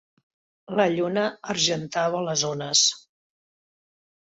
La lluna argentava les ones.